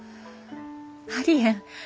ありえん。